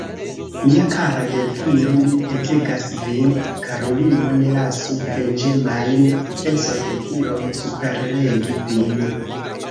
Mia kara Delfino, mi petegas vin, karulino, ne lasu venĝemajn pensojn tiom superregi vin.